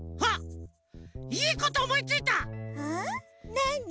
なに？